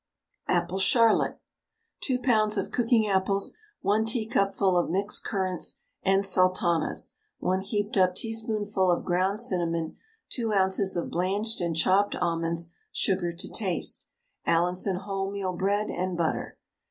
APPLE CHARLOTTE. 2 lbs. of cooking apples, 1 teacupful of mixed currants and sultanas, 1 heaped up teaspoonful of ground cinnamon, 2 oz. of blanched and chopped almonds, sugar to taste, Allinson wholemeal bread, and butter.